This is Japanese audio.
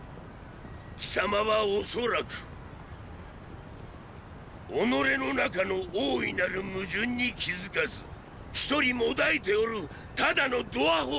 貴様は恐らく己の中の大いなる矛盾に気付かず一人悶えておるただのど阿呆じゃ。